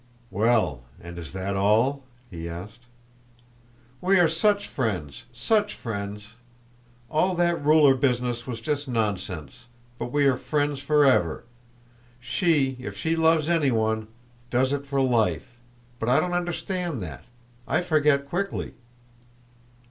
"Well, and is that all?" he asked. "We are such friends, such friends! All that ruler business was just nonsense, but we are friends forever. She, if she loves anyone, does it for life, but I don't understand that, I forget quickly."